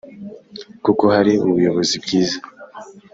kuko hari ubuyobozi bwiza,